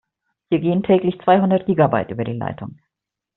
Hier gehen täglich zweihundert Gigabyte über die Leitung.